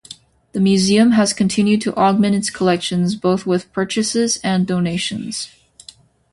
The museum has continued to augment its collections both with purchases and donations.